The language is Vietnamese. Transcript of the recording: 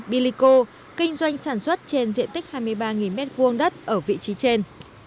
bilico kinh doanh sản xuất trên diện tích hai mươi ba m hai đất ở vị trí trên